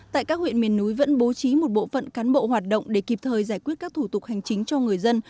tại các huyện miền núi vẫn bố trí một bộ phận cán bộ hoạt động để kịp thời giải quyết các thủ tục hành chính cho người dân